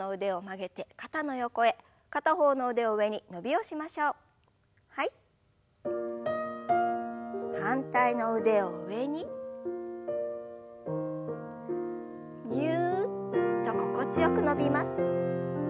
ぎゅっと心地よく伸びます。